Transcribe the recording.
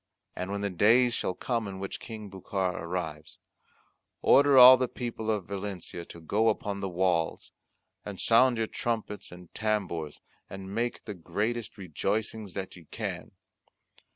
And when the day shall come in which King Bucar arrives, order all the people of Valencia to go upon the walls, and sound your trumpets and tambours and make the greatest rejoicings that ye can.